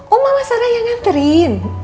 oh mama sarah yang nganterin